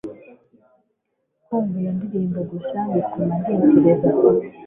kumva iyo ndirimbo gusa bituma ntekereza